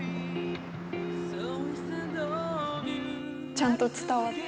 ちゃんと伝わった。